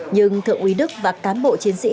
nhưng thượng quý đức và cám bộ chiến sĩ